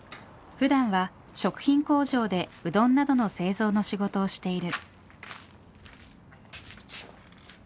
ふだんは食品工場でうどんなどの製造の仕事をしている。